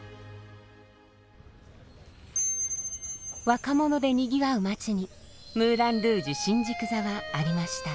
若者でにぎわう街にムーラン・ルージュ新宿座はありました。